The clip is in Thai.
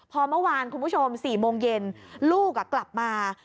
พอเมื่อวานคุณผู้ชม๔โมงเย็นลูกกลับมา